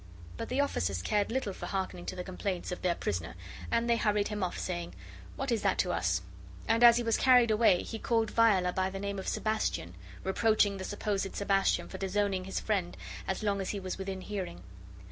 But the officers cared little for harkening to the complaints of their prisoner, and they hurried him off, saying, "What is that to us?" And as he was carried away, he called Viola by the name of Sebastian, reproaching the supposed Sebastian for disowning his friend, as long as he was within hearing.